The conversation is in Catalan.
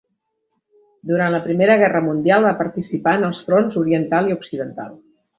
Durant la Primera Guerra Mundial va participar en els fronts Oriental i Occidental.